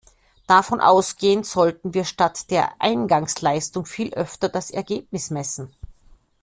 Davon ausgehend sollten wir statt der Eingangsleistung viel öfter das Ergebnis messen.